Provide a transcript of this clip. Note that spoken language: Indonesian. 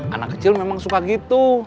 anak kecil memang suka gitu